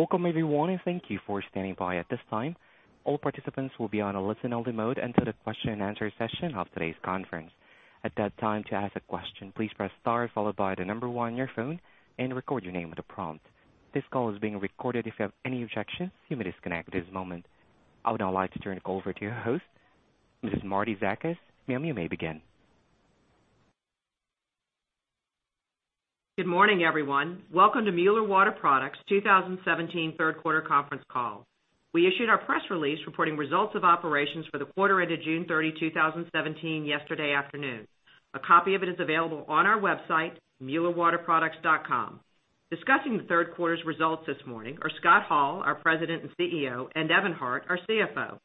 Welcome, everyone, and thank you for standing by. At this time, all participants will be on a listen-only mode until the question and answer session of today's conference. At that time, to ask a question, please press star followed by the number 1 on your phone and record your name at the prompt. This call is being recorded. If you have any objections, you may disconnect at this moment. I would now like to turn it over to your host, Mrs. Marietta Zakas. Ma'am, you may begin. Good morning, everyone. Welcome to Mueller Water Products' 2017 third quarter conference call. We issued our press release reporting results of operations for the quarter ended June 30, 2017 yesterday afternoon. A copy of it is available on our website, muellerwaterproducts.com. Discussing the third quarter's results this morning are Scott Hall, our President and CEO, and Evan Hart, our CFO.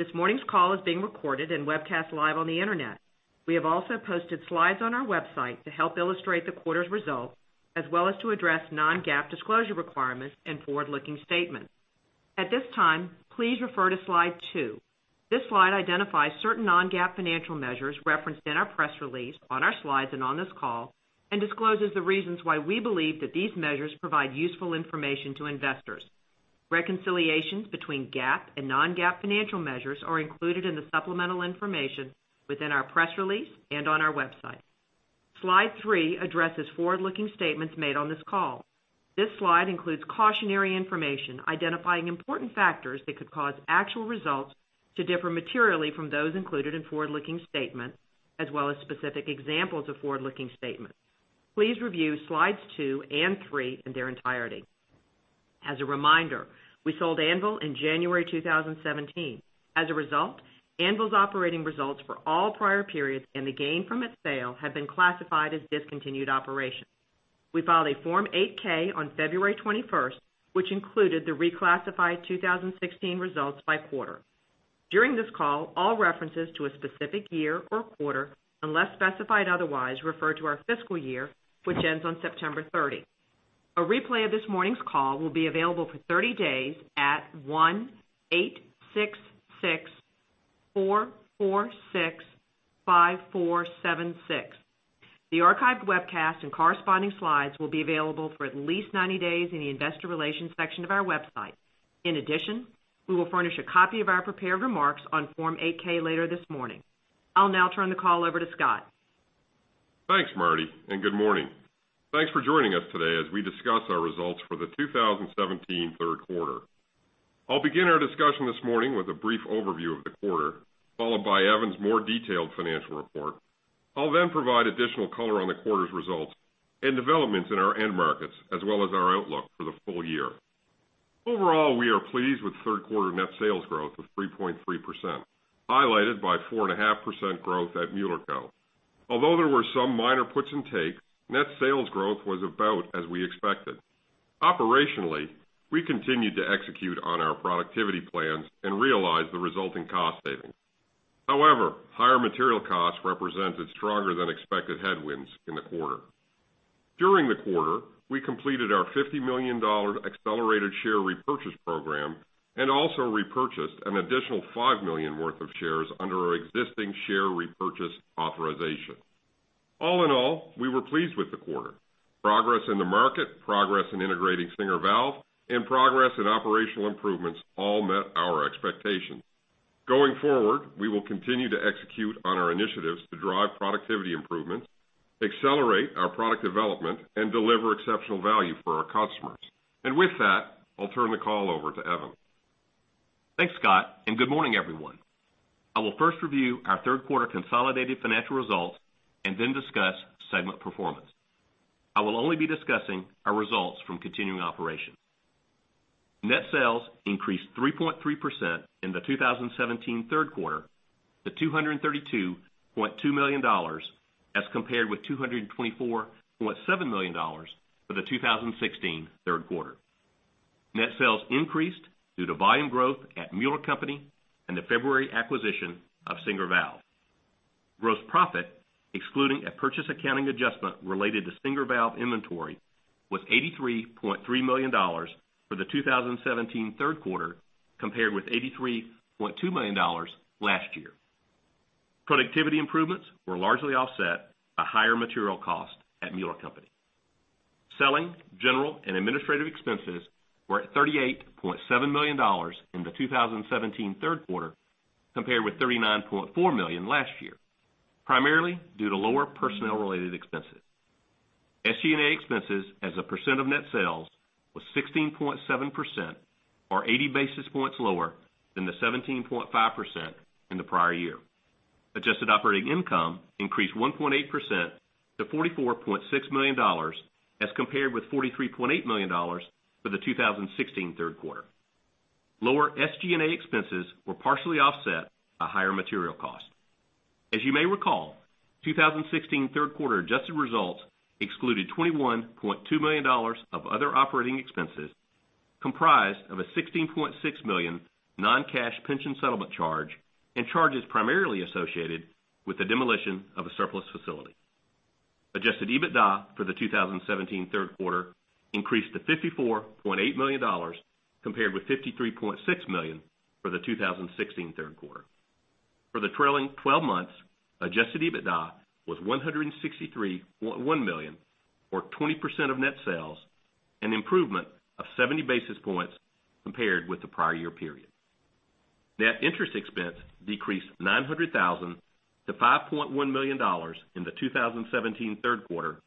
This morning's call is being recorded and webcast live on the internet. We have also posted slides on our website to help illustrate the quarter's results, as well as to address non-GAAP disclosure requirements and forward-looking statements. At this time, please refer to Slide two. This slide identifies certain non-GAAP financial measures referenced in our press release, on our slides, and on this call, and discloses the reasons why we believe that these measures provide useful information to investors. Reconciliations between GAAP and non-GAAP financial measures are included in the supplemental information within our press release and on our website. Slide three addresses forward-looking statements made on this call. This slide includes cautionary information identifying important factors that could cause actual results to differ materially from those included in forward-looking statements, as well as specific examples of forward-looking statements. Please review Slides two and three in their entirety. As a reminder, we sold Anvil in January 2017. As a result, Anvil's operating results for all prior periods and the gain from its sale have been classified as discontinued operations. We filed a Form 8-K on February 21st, which included the reclassified 2016 results by quarter. During this call, all references to a specific year or quarter, unless specified otherwise, refer to our fiscal year, which ends on September 30. A replay of this morning's call will be available for 30 days at 1-866-446-5476. The archived webcast and corresponding slides will be available for at least 90 days in the investor relations section of our website. In addition, we will furnish a copy of our prepared remarks on Form 8-K later this morning. I'll now turn the call over to Scott. Thanks, Martie, and good morning. Thanks for joining us today as we discuss our results for the 2017 third quarter. I'll begin our discussion this morning with a brief overview of the quarter, followed by Evan's more detailed financial report. I'll then provide additional color on the quarter's results and developments in our end markets, as well as our outlook for the full year. Overall, we are pleased with third quarter net sales growth of 3.3%, highlighted by 4.5% growth at Mueller Co. Although there were some minor puts and takes, net sales growth was about as we expected. Operationally, we continued to execute on our productivity plans and realize the resulting cost savings. However, higher material costs represented stronger than expected headwinds in the quarter. During the quarter, we completed our $50 million accelerated share repurchase program and also repurchased an additional $5 million worth of shares under our existing share repurchase authorization. All in all, we were pleased with the quarter. Progress in the market, progress in integrating Singer Valve, and progress in operational improvements all met our expectations. With that, I'll turn the call over to Evan. Thanks, Scott, and good morning, everyone. I will first review our third quarter consolidated financial results and then discuss segment performance. I will only be discussing our results from continuing operations. Net sales increased 3.3% in the 2017 third quarter to $232.2 million as compared with $224.7 million for the 2016 third quarter. Net sales increased due to volume growth at Mueller Co. and the February acquisition of Singer Valve. Gross profit, excluding a purchase accounting adjustment related to Singer Valve inventory, was $83.3 million for the 2017 third quarter compared with $83.2 million last year. Productivity improvements were largely offset by higher material costs at Mueller Co. Selling, general, and administrative expenses were at $38.7 million in the 2017 third quarter compared with $39.4 million last year, primarily due to lower personnel-related expenses. SG&A expenses as a percent of net sales was 16.7%, or 80 basis points lower than the 17.5% in the prior year. Adjusted operating income increased 1.8% to $44.6 million as compared with $43.8 million for the 2016 third quarter. Lower SG&A expenses were partially offset by higher material costs. As you may recall, 2016 third quarter adjusted results excluded $21.2 million of other operating expenses, comprised of a $16.6 million non-cash pension settlement charge and charges primarily associated with the demolition of a surplus facility. Adjusted EBITDA for the 2017 third quarter increased to $54.8 million compared with $53.6 million for the 2016 third quarter. For the trailing 12 months, adjusted EBITDA was $163.1 million or 20% of net sales, an improvement of 70 basis points compared with the prior year period. Net interest expense decreased $900,000 to $5.1 million in the 2017 third quarter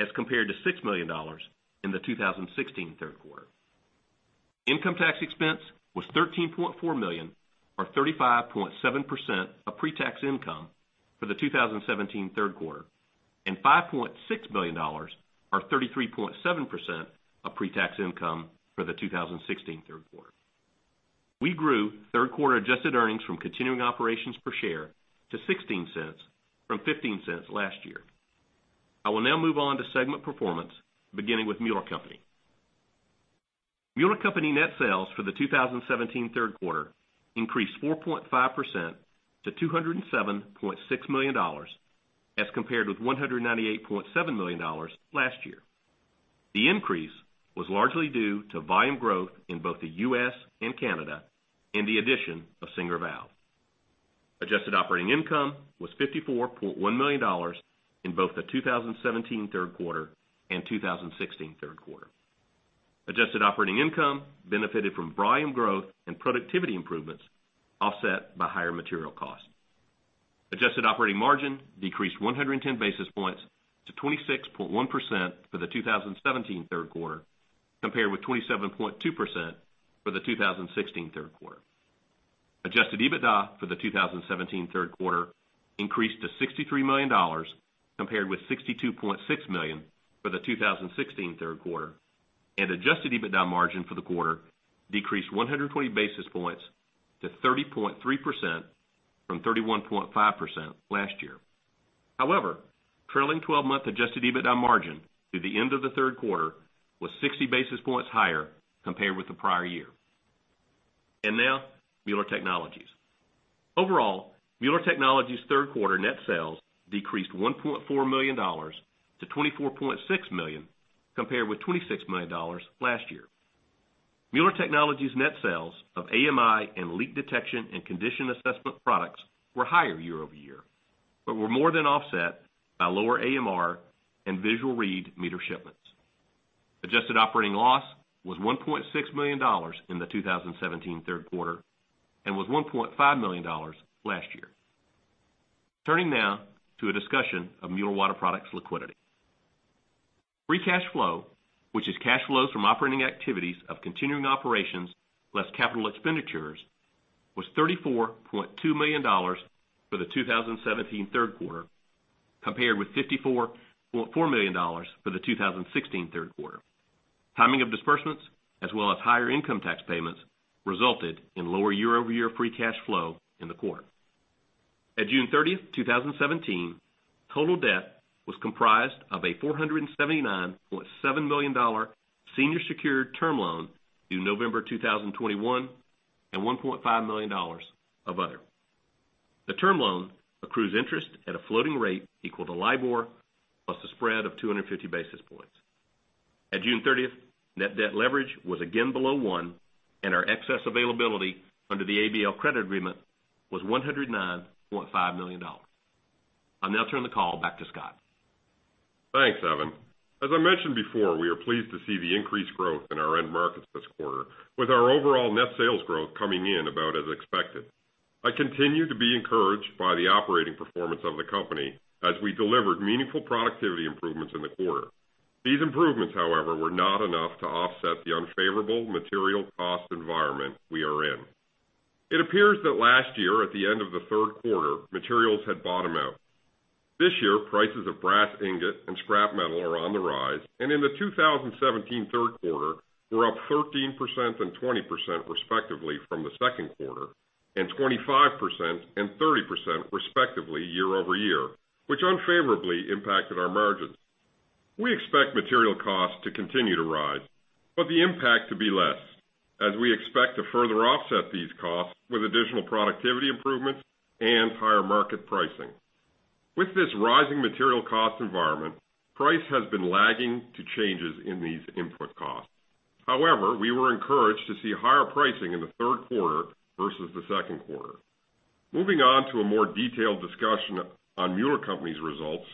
as compared to $6 million in the 2016 third quarter. Income tax expense was $13.4 million or 35.7% of pre-tax income for the 2017 third quarter, and $5.6 million or 33.7% of pre-tax income for the 2016 third quarter. We grew third quarter adjusted earnings from continuing operations per share to $0.16 from $0.15 last year. I will now move on to segment performance, beginning with Mueller Co. Mueller Co. net sales for the 2017 third quarter increased 4.5% to $207.6 million as compared with $198.7 million last year. The increase was largely due to volume growth in both the U.S. and Canada and the addition of Singer Valve. Adjusted operating income was $54.1 million in both the 2017 third quarter and 2016 third quarter. Adjusted operating income benefited from volume growth and productivity improvements, offset by higher material costs. Adjusted operating margin decreased 110 basis points to 26.1% for the 2017 third quarter, compared with 27.2% for the 2016 third quarter. Adjusted EBITDA for the 2017 third quarter increased to $63 million, compared with $62.6 million for the 2016 third quarter. Adjusted EBITDA margin for the quarter decreased 120 basis points to 30.3% from 31.5% last year. However, trailing 12-month adjusted EBITDA margin through the end of the third quarter was 60 basis points higher compared with the prior year. Now Mueller Technologies. Overall, Mueller Technologies' third quarter net sales decreased $1.4 million to $24.6 million compared with $26 million last year. Mueller Technologies net sales of AMI and leak detection and condition assessment products were higher year-over-year, but were more than offset by lower AMR and visual read meter shipments. Adjusted operating loss was $1.6 million in the 2017 third quarter and was $1.5 million last year. Turning now to a discussion of Mueller Water Products liquidity. Free cash flow, which is cash flows from operating activities of continuing operations less capital expenditures, was $34.2 million for the 2017 third quarter compared with $54.4 million for the 2016 third quarter. Timing of disbursements as well as higher income tax payments resulted in lower year-over-year free cash flow in the quarter. At June 30th, 2017, total debt was comprised of a $479.7 million senior secured term loan due November 2021 and $1.5 million of other. The term loan accrues interest at a floating rate equal to LIBOR plus a spread of 250 basis points. At June 30th, net debt leverage was again below one and our excess availability under the ABL credit agreement was $109.5 million. I'll now turn the call back to Scott. Thanks, Evan. As I mentioned before, we are pleased to see the increased growth in our end markets this quarter with our overall net sales growth coming in about as expected. I continue to be encouraged by the operating performance of the company as we delivered meaningful productivity improvements in the quarter. These improvements, however, were not enough to offset the unfavorable material cost environment we are in. It appears that last year at the end of the third quarter, materials had bottomed out. This year, prices of brass ingot and scrap metal are on the rise, and in the 2017 third quarter, were up 13% and 20% respectively from the second quarter, and 25% and 30% respectively year-over-year, which unfavorably impacted our margins. We expect material costs to continue to rise, but the impact to be less as we expect to further offset these costs with additional productivity improvements and higher market pricing. With this rising material cost environment, price has been lagging to changes in these input costs. However, we were encouraged to see higher pricing in the third quarter versus the second quarter. Moving on to a more detailed discussion on Mueller Co.'s results.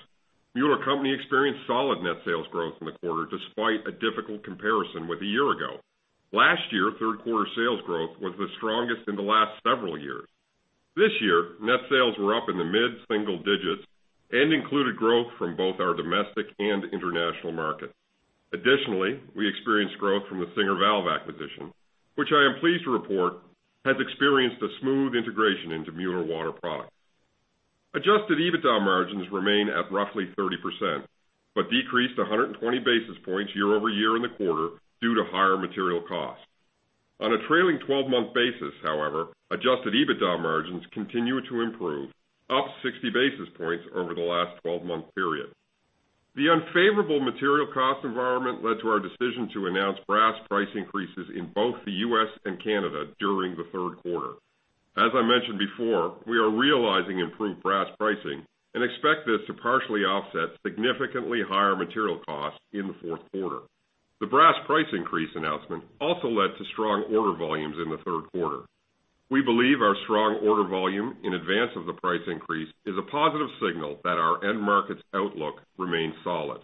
Mueller Co. experienced solid net sales growth in the quarter despite a difficult comparison with a year ago. Last year, third quarter sales growth was the strongest in the last several years. This year, net sales were up in the mid-single digits and included growth from both our domestic and international markets. Additionally, we experienced growth from the Singer Valve acquisition, which I am pleased to report has experienced a smooth integration into Mueller Water Products. Adjusted EBITDA margins remain at roughly 30%, but decreased 120 basis points year-over-year in the quarter due to higher material costs. On a trailing 12-month basis, however, adjusted EBITDA margins continue to improve, up 60 basis points over the last 12-month period. The unfavorable material cost environment led to our decision to announce brass price increases in both the U.S. and Canada during the third quarter. As I mentioned before, we are realizing improved brass pricing and expect this to partially offset significantly higher material costs in the fourth quarter. The brass price increase announcement also led to strong order volumes in the third quarter. We believe our strong order volume in advance of the price increase is a positive signal that our end markets outlook remains solid.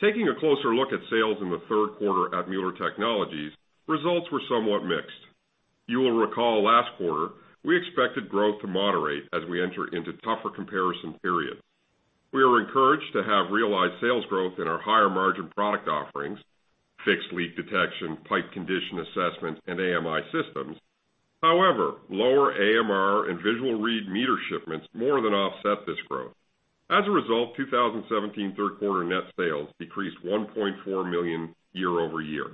Taking a closer look at sales in the third quarter at Mueller Technologies, results were somewhat mixed. You will recall last quarter, we expected growth to moderate as we enter into tougher comparison periods. We are encouraged to have realized sales growth in our higher margin product offerings, fixed leak detection, pipe condition assessment, and AMI systems. However, lower AMR and visual read meter shipments more than offset this growth. As a result, 2017 third quarter net sales decreased $1.4 million year-over-year.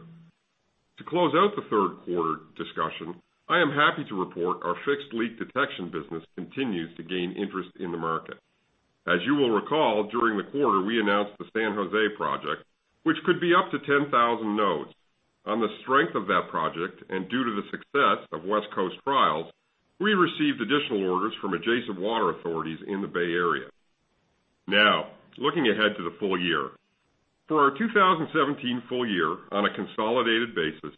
To close out the third quarter discussion, I am happy to report our fixed leak detection business continues to gain interest in the market. As you will recall, during the quarter, we announced the San Jose project, which could be up to 10,000 nodes. On the strength of that project and due to the success of West Coast trials, we received additional orders from adjacent water authorities in the Bay Area. Now, looking ahead to the full year. For our 2017 full year, on a consolidated basis,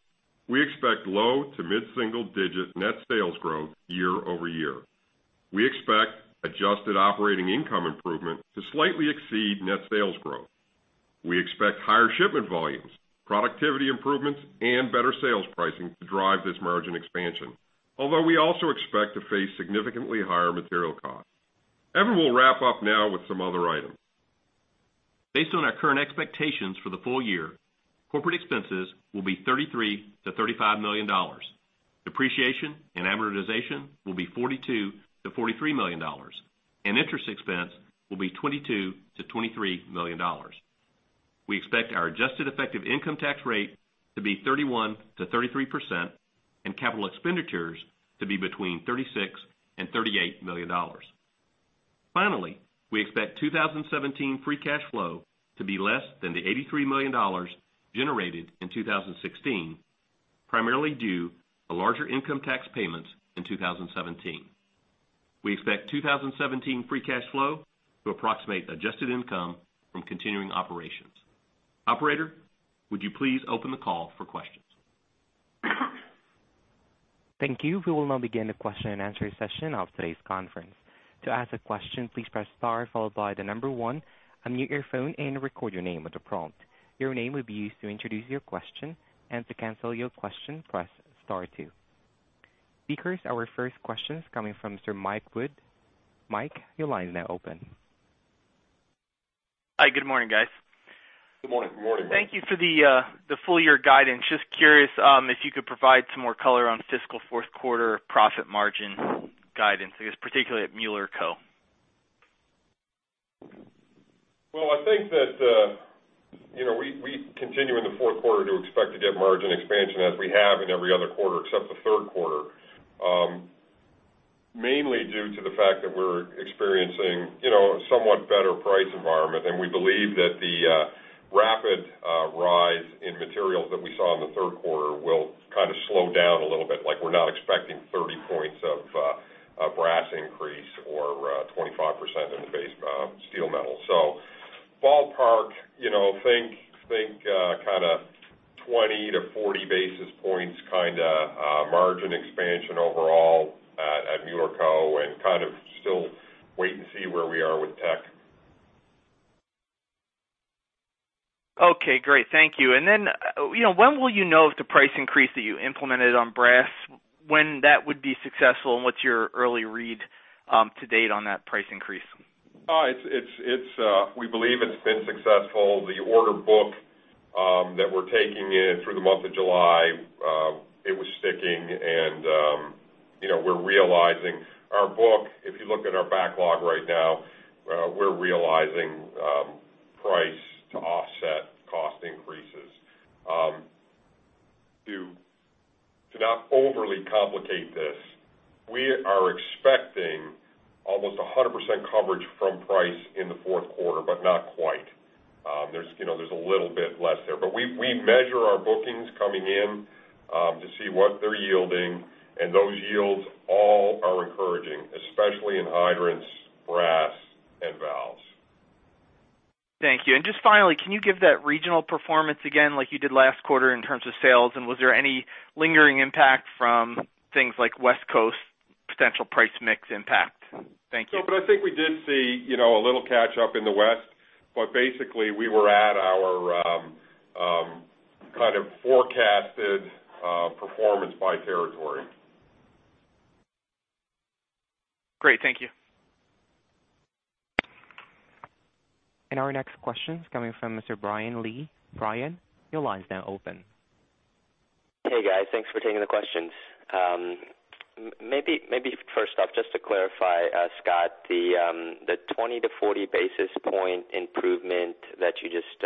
we expect low to mid-single-digit net sales growth year-over-year. We expect adjusted operating income improvement to slightly exceed net sales growth. We expect higher shipment volumes, productivity improvements, and better sales pricing to drive this margin expansion. We also expect to face significantly higher material costs. Evan will wrap up now with some other items. Based on our current expectations for the full year, corporate expenses will be $33 million-$35 million. Depreciation and amortization will be $42 million-$43 million, and interest expense will be $22 million-$23 million. We expect our adjusted effective income tax rate to be 31%-33%, and capital expenditures to be between $36 million and $38 million. Finally, we expect 2017 free cash flow to be less than the $83 million generated in 2016, primarily due to larger income tax payments in 2017. We expect 2017 free cash flow to approximate adjusted income from continuing operations. Operator, would you please open the call for questions? Thank you. We will now begin the question and answer session of today's conference. To ask a question, please press star followed by the number 1, unmute your phone and record your name at the prompt. Your name will be used to introduce your question. To cancel your question, press star 2. Speakers, our first question is coming from Mike Wood. Mike, your line is now open. Hi, good morning, guys. Good morning. Good morning. Thank you for the full year guidance. Just curious, if you could provide some more color on fiscal fourth quarter profit margin guidance, I guess particularly at Mueller Co. Well, I think that we continue in the fourth quarter to expect to get margin expansion as we have in every other quarter except the third quarter. Mainly due to the fact that we're experiencing a somewhat better price environment, and we believe that the rapid rise in materials that we saw in the third quarter will kind of slow down a little bit, like we're not expecting 30 points of brass increase or 25% in steel metal. Ballpark, think kind of 20-40 basis points kind of margin expansion overall at Mueller Co. Kind of still wait and see where we are with tech. Okay, great. Thank you. Then, when will you know if the price increase that you implemented on brass, when that would be successful, and what's your early read to date on that price increase? We believe it's been successful. The order book that we're taking in through the month of July, it was sticking and we're realizing our book, if you look at our backlog right now, we're realizing price to offset cost increases. To not overly complicate this, we are expecting almost 100% coverage from price in the fourth quarter, not quite. There's a little bit less there. We measure our bookings coming in to see what they're yielding, and those yields all are encouraging, especially in hydrants, brass, and valves. Thank you. Just finally, can you give that regional performance again like you did last quarter in terms of sales, and was there any lingering impact from things like West Coast potential price mix impact? Thank you. No, I think we did see a little catch up in the West, basically, we were at our kind of forecasted performance by territory. Great. Thank you. Brian Lee, your line is now open. Hey, guys. Thanks for taking the questions. Maybe first off, just to clarify, Scott, the 20 to 40 basis point improvement that you just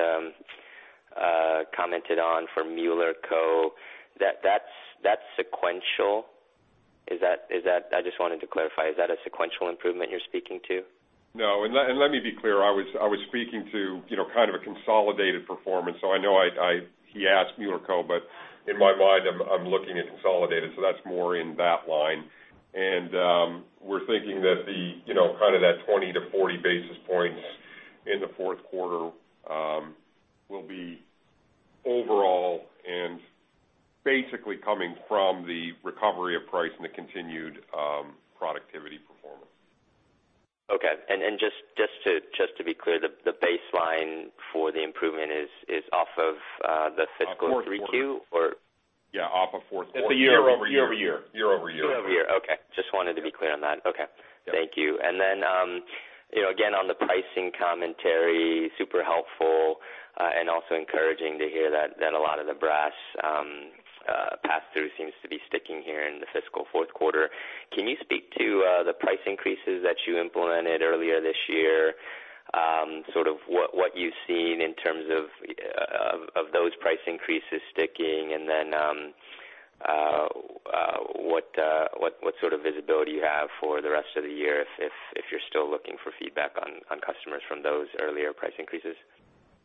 commented on for Mueller Co., that's sequential? I just wanted to clarify, is that a sequential improvement you're speaking to? No, let me be clear. I was speaking to kind of a consolidated performance. I know he asked Mueller Co. In my mind, I'm looking at consolidated, that's more in that line. We're thinking that kind of that 20 to 40 basis points in the fourth quarter will be overall and basically coming from the recovery of price and the continued productivity performance. Okay. Just to be clear, the baseline for the improvement is off of the fiscal 3Q? Yeah, off of fourth quarter. It's a year-over-year. Year-over-year. Okay. Just wanted to be clear on that. Okay. Yeah. Thank you. Then, again, on the pricing commentary, super helpful, and also encouraging to hear that a lot of the brass pass-through seems to be sticking here in the fiscal fourth quarter. Can you speak to the price increases that you implemented earlier this year? Sort of what you've seen in terms of those price increases sticking, and then what sort of visibility you have for the rest of the year, if you're still looking for feedback on customers from those earlier price increases?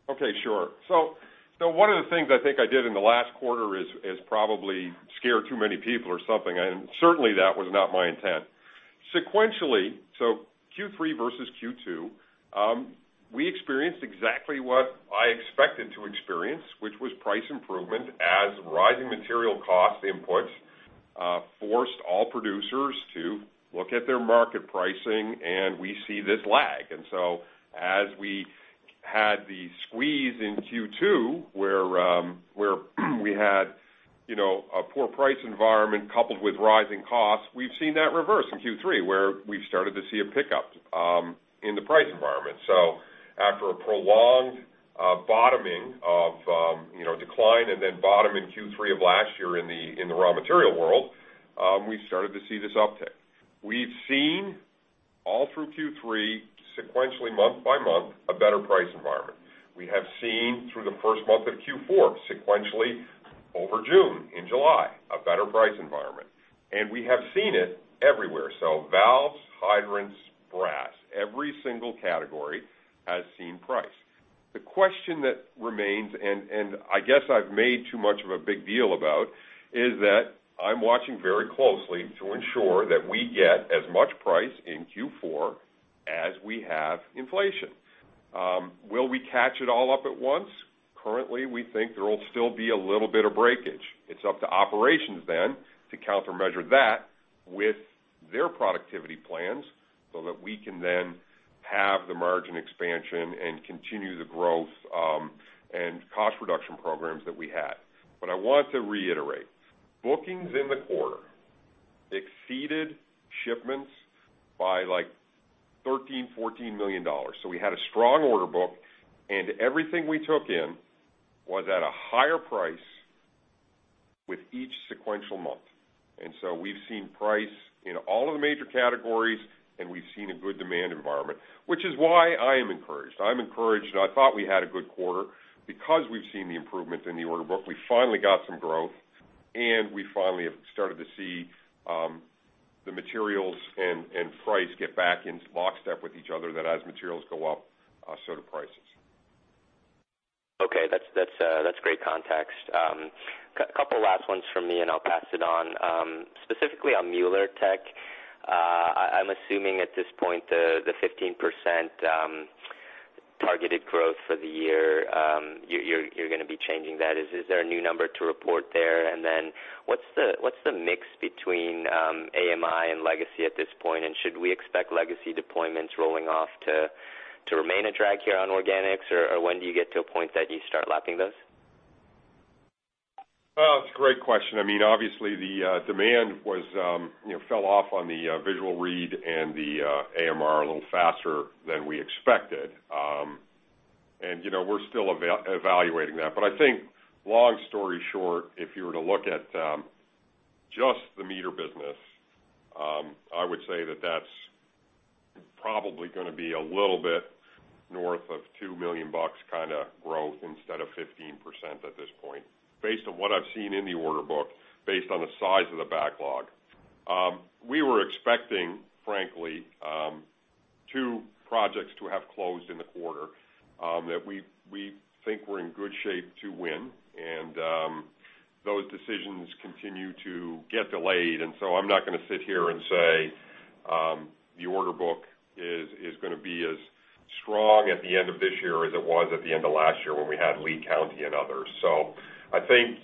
Okay. Sure. One of the things I think I did in the last quarter is probably scare too many people or something, and certainly that was not my intent. Sequentially, so Q3 versus Q2, we experienced exactly what I expected to experience, which was price improvement as rising material cost inputs forced all producers to look at their market pricing, and we see this lag. As we had the squeeze in Q2, where we had a poor price environment coupled with rising costs, we've seen that reverse in Q3, where we've started to see a pickup in the price environment. After a prolonged decline, and then bottom in Q3 of last year in the raw material world, we started to see this uptick. We've seen all through Q3, sequentially month by month, a better price environment. We have seen through the first month of Q4, sequentially over June, in July, a better price environment. We have seen it everywhere. Valves, hydrants, brass, every single category has seen price. The question that remains, and I guess I've made too much of a big deal about, is that I'm watching very closely to ensure that we get as much price in Q4 as we have inflation. Will we catch it all up at once? Currently, we think there'll still be a little bit of breakage. It's up to operations then to countermeasure that with their productivity plans so that we can then have the margin expansion and continue the growth and cost reduction programs that we had. I want to reiterate, bookings in the quarter exceeded shipments by like $13 million-$14 million. We had a strong order book, and everything we took in was at a higher price with each sequential month. We've seen price in all of the major categories, and we've seen a good demand environment, which is why I am encouraged. I'm encouraged and I thought we had a good quarter because we've seen the improvements in the order book. We finally got some growth, and we finally have started to see the materials and price get back in lockstep with each other, that as materials go up, so do prices. Okay. That's great context. Couple last ones from me, and I'll pass it on. Specifically on Mueller Technologies, I'm assuming at this point the 15% targeted growth for the year, you're going to be changing that. Is there a new number to report there? What's the mix between AMI and legacy at this point? Should we expect legacy deployments rolling off to remain a drag here on organics? Or when do you get to a point that you start lapping those? It's a great question. Obviously, the demand fell off on the visual read and the AMR a little faster than we expected. We're still evaluating that. I think long story short, if you were to look at just the meter business, I would say that that's probably going to be a little bit north of $2 million kind of growth instead of 15% at this point, based on what I've seen in the order book, based on the size of the backlog. We were expecting, frankly, two projects to have closed in the quarter that we think we're in good shape to win. Those decisions continue to get delayed, I'm not going to sit here and say the order book is going to be as strong at the end of this year as it was at the end of last year when we had Lee County and others. I think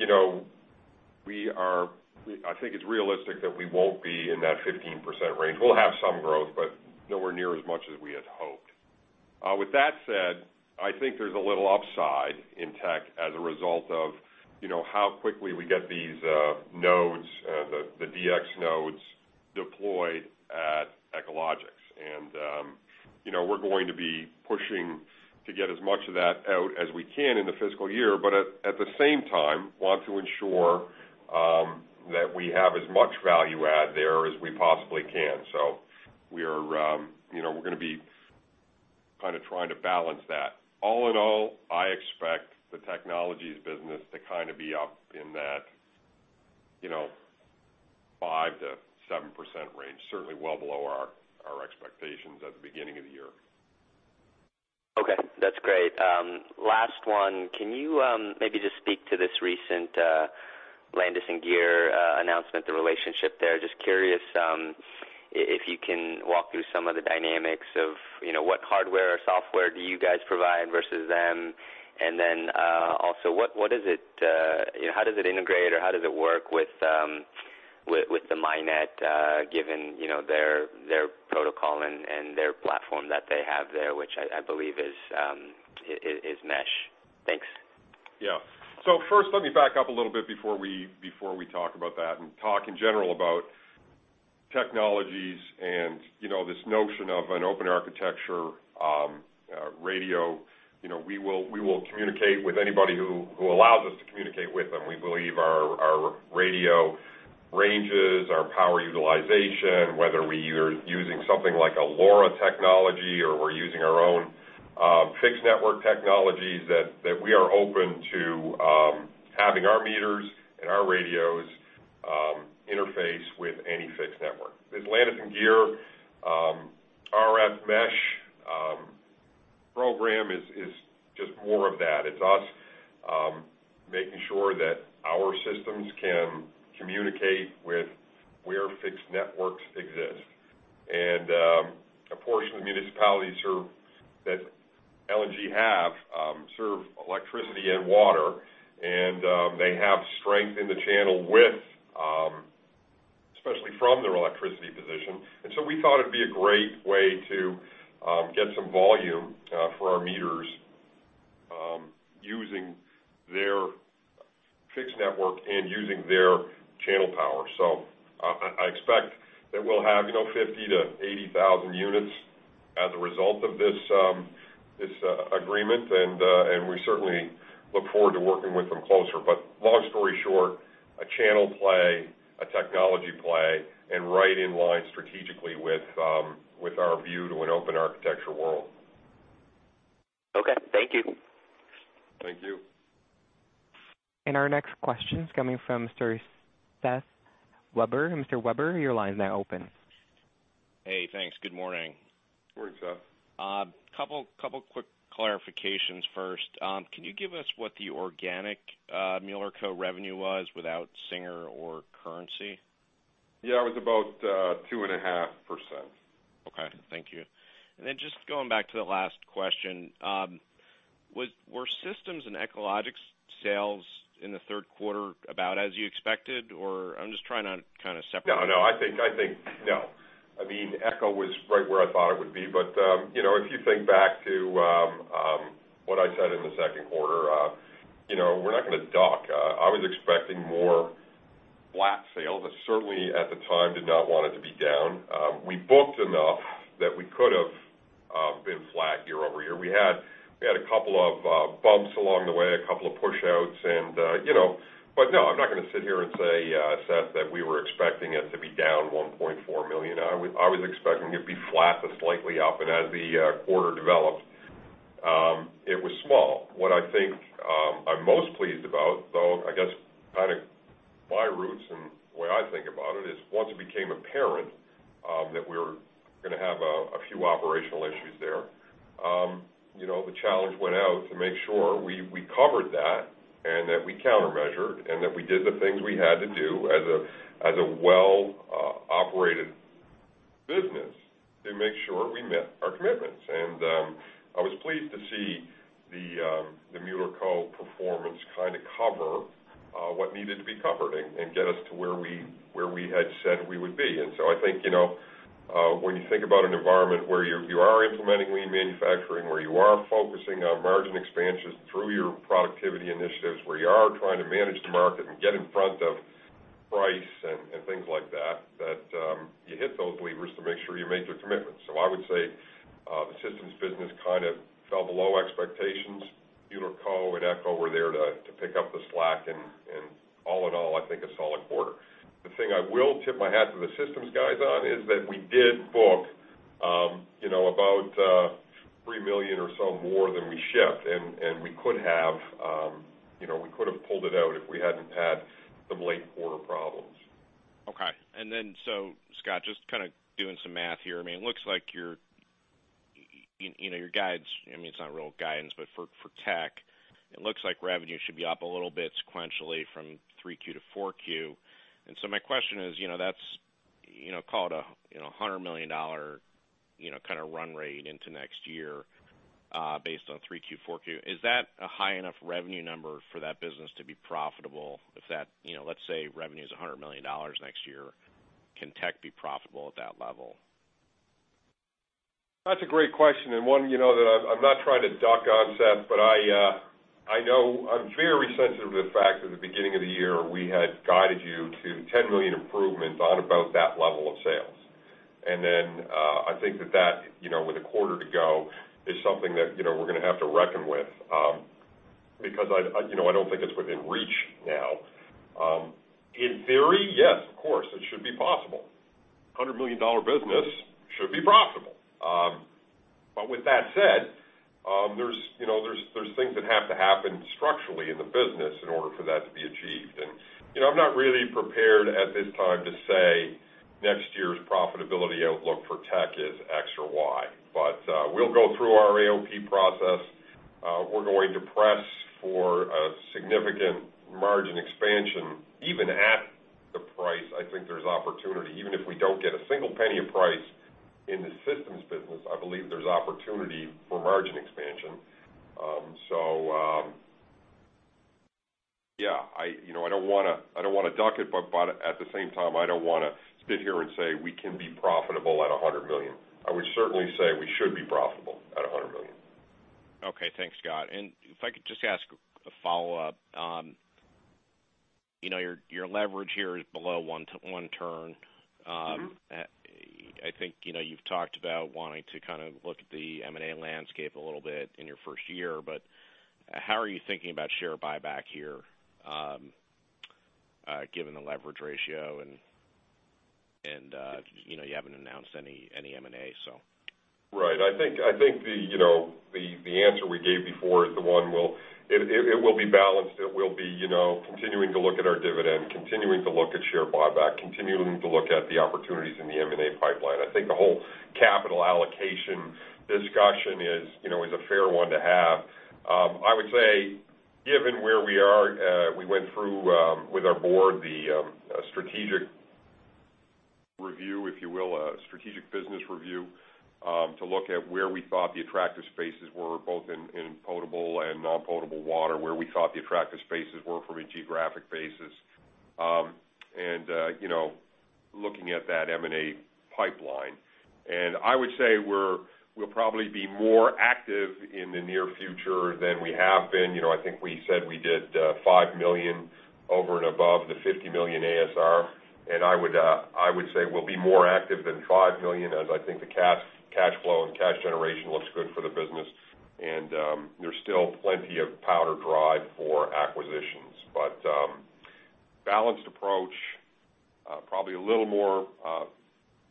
it's realistic that we won't be in that 15% range. We'll have some growth, but nowhere near as much as we had hoped. With that said, I think there's a little upside in tech as a result of how quickly we get these nodes, the DX nodes deployed at Echologics. We're going to be pushing to get as much of that out as we can in the fiscal year, but at the same time, want to ensure that we have as much value add there as we possibly can. We're going to be kind of trying to balance that. All in all, I expect the technologies business to kind of be up in that 5%-7% range, certainly well below our expectations at the beginning of the year. Okay, that's great. Last one. Can you maybe just speak to this recent Landis+Gyr announcement, the relationship there? Just curious if you can walk through some of the dynamics of what hardware or software do you guys provide versus them, and then also how does it integrate or how does it work with the Mi.Net, given their protocol and their platform that they have there, which I believe is mesh. Thanks. First, let me back up a little bit before we talk about that, and talk in general about technologies and this notion of an open architecture radio. We will communicate with anybody who allows us to communicate with them. We believe our radio ranges, our power utilization, whether we are using something like a LoRa technology or we're using our own fixed network technologies, that we are open to having our meters and our radios interface with any fixed network. This Landis+Gyr RF mesh program is just more of that. It's us making sure that our systems can communicate where fixed networks exist. A portion of the municipalities that L&G have serve electricity and water, and they have strength in the channel, especially from their electricity position. We thought it'd be a great way to get some volume for our meters using their fixed network and using their channel power. I expect that we'll have 50,000-80,000 units as a result of this agreement, and we certainly look forward to working with them closer. Long story short, a channel play, a technology play, and right in line strategically with our view to an open architecture world. Okay, thank you. Thank you. Our next question is coming from Seth Weber. Mr. Weber, your line is now open. Hey, thanks. Good morning. Morning, Seth. A couple quick clarifications first. Can you give us what the organic Mueller Co. revenue was without Singer or Currency? Yeah, it was about 2.5%. Okay, thank you. Just going back to the last question, were systems and Echologics sales in the third quarter about as you expected, or I'm just trying to kind of separate- No, I think, no. I mean, Eco was right where I thought it would be, if you think back to what I said in the second quarter, we're not going to duck. I was expecting more flat sales, certainly at the time did not want it to be down. We booked enough that we could have been flat year-over-year. We had a couple of bumps along the way, a couple of push-outs, no, I'm not going to sit here and say, Seth, that we were expecting it to be down $1.4 million. I was expecting it to be flat to slightly up, and as the quarter developed, it was small. What I think I'm most pleased about, though, I guess, my roots and the way I think about it is once it became apparent that we were going to have a few operational issues there, the challenge went out to make sure we covered that and that we countermeasured and that we did the things we had to do as a well-operated business to make sure we met our commitments. I was pleased to see the Mueller Co. performance cover what needed to be covered and get us to where we had said we would be. I think, when you think about an environment where you are implementing Lean Manufacturing, where you are focusing on margin expansions through your productivity initiatives, where you are trying to manage the market and get in front of price and things like that you hit those levers to make sure you make your commitments. I would say the systems business kind of fell below expectations. Mueller Co. and Eco were there to pick up the slack and all in all, I think a solid quarter. The thing I will tip my hat to the systems guys on is that we did book about $3 million or so more than we shipped, and we could have pulled it out if we hadn't had some late quarter problems. Okay. Scott, just kind of doing some math here. It looks like your guides, I mean, it's not real guidance, but for tech, it looks like revenue should be up a little bit sequentially from 3Q to 4Q. My question is, that's call it a $100 million kind of run rate into next year, based on 3Q, 4Q. Is that a high enough revenue number for that business to be profitable? If that, let's say revenue is $100 million next year, can tech be profitable at that level? That's a great question, and one that I'm not trying to duck on, Seth, but I know I'm very sensitive to the fact that at the beginning of the year, we had guided you to $10 million improvements on about that level of sales. I think that that, with a quarter to go, is something that we're going to have to reckon with, because I don't think it's within reach now. In theory, yes, of course, it should be possible. A $100 million business should be profitable. With that said, there's things that have to happen- the business in order for that to be achieved. I'm not really prepared at this time to say next year's profitability outlook for tech is X or Y. We'll go through our AOP process. We're going to press for a significant margin expansion. Even at the price, I think there's opportunity. Even if we don't get a single penny of price in the systems business, I believe there's opportunity for margin expansion. Yeah. I don't want to duck it, but at the same time, I don't want to sit here and say we can be profitable at $100 million. I would certainly say we should be profitable at $100 million. Okay. Thanks, Scott. If I could just ask a follow-up. Your leverage here is below one turn. I think you've talked about wanting to look at the M&A landscape a little bit in your first year, how are you thinking about share buyback here, given the leverage ratio and you haven't announced any M&A? Right. I think the answer we gave before is the one, it will be balanced. It will be continuing to look at our dividend, continuing to look at share buyback, continuing to look at the opportunities in the M&A pipeline. I think the whole capital allocation discussion is a fair one to have. I would say, given where we are, we went through with our board the strategic review, if you will, a strategic business review, to look at where we thought the attractive spaces were, both in potable and non-potable water, where we thought the attractive spaces were from a geographic basis. Looking at that M&A pipeline. I would say we'll probably be more active in the near future than we have been. I think we said we did $5 million over and above the $50 million ASR, I would say we'll be more active than $5 million, as I think the cash flow and cash generation looks good for the business, and there's still plenty of powder drive for acquisitions. Balanced approach, probably a little more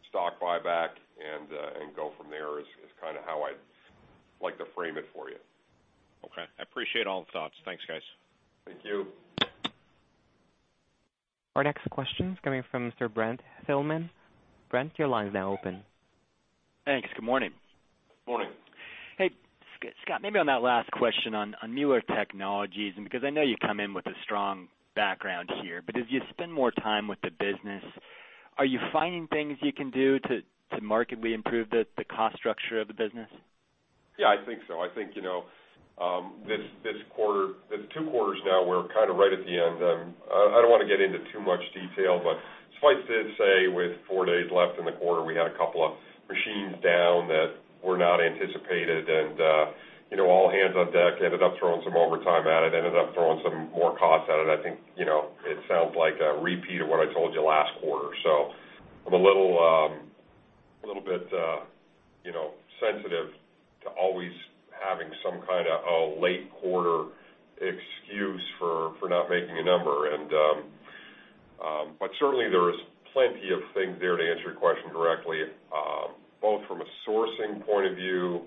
stock buyback and go from there is how I'd like to frame it for you. Okay. I appreciate all the thoughts. Thanks, guys. Thank you. Our next question is coming from Mr. Brent Thielman. Brent, your line is now open. Thanks. Good morning. Morning. Hey, Scott, maybe on that last question on Mueller Technologies, because I know you come in with a strong background here, but as you spend more time with the business, are you finding things you can do to markedly improve the cost structure of the business? Yeah, I think so. I think this two quarters now, we're right at the end. I don't want to get into too much detail, but Spike did say with four days left in the quarter, we had a couple of machines down that were not anticipated. All hands on deck, ended up throwing some overtime at it, ended up throwing some more cost at it. I think it sounds like a repeat of what I told you last quarter. I'm a little bit sensitive to always having some kind of a late quarter excuse for not making a number. Certainly, there is plenty of things there to answer your question directly, both from a sourcing point of view.